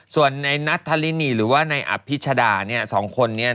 ส่วนในนัททะลินิหรือว่าในอัพฤษฎาสองคน